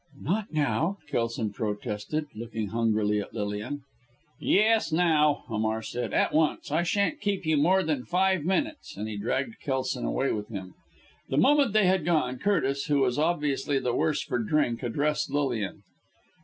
"Not now," Kelson protested, looking hungrily at Lilian. "Yes, now!" Hamar said. "At once! I shan't keep you more than five minutes" and he dragged Kelson away with him. The moment they had gone, Curtis, who was obviously the worse for drink, addressed Lilian.